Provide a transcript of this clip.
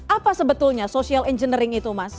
apa sebetulnya social engineering